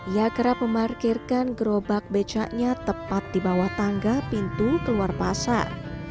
ia kerap memarkirkan gerobak becaknya tepat di bawah tangga pintu keluar pasar